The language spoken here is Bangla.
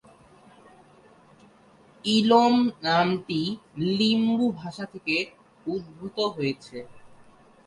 ইলম নামটি লিম্বু ভাষা থেকে উদ্ভূত হয়েছে।